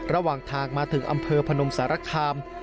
ระหว่างทางมาถึงอำเภอพนมสารคาม